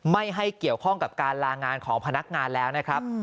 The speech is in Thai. ไม่ให้เกี่ยวข้องกับการลางานของพนักงานแล้วนะครับ